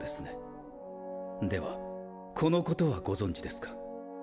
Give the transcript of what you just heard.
ではこのことはご存じですか？